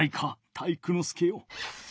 体育ノ介よ。